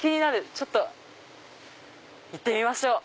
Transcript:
ちょっと行ってみましょう。